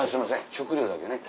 食料だけ。